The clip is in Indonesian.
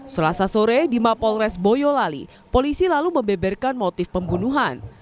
selasa sore di mapolres boyolali polisi lalu membeberkan motif pembunuhan